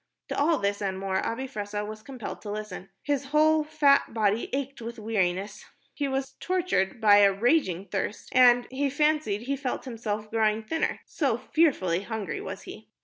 To all this and more, Abi Fressah was compelled to listen. His whole fat body ached with weariness, he was tortured by a raging thirst, and he fancied he felt himself growing thinner so fearfully hungry was he.